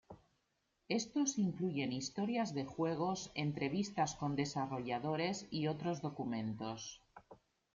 Estos incluyen historias de juegos, entrevistas con desarrolladores y otros documentos.